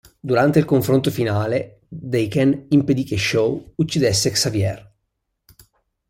Durante il confronto finale, Daken impedì che Shaw uccidesse Xavier.